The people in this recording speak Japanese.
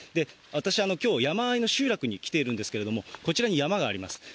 私、きょう、山あいの集落に来ているんですけれども、こちらに山があります。